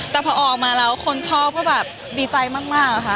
แต่พอออกมาแล้วคนชอบก็แบบดีใจมากค่ะ